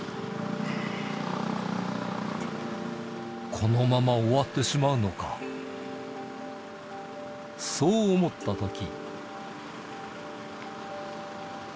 このまま終わってしまうのか、そう思ったとき。